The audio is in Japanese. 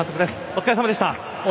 お疲れさまでした。